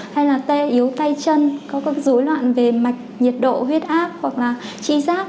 hay là tê yếu tay chân có các dối loạn về mạch nhiệt độ huyết áp hoặc là chi giác